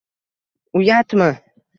uyatmi